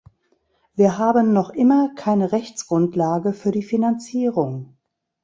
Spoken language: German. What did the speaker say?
Wir haben noch immer keine Rechtsgrundlage für die Finanzierung.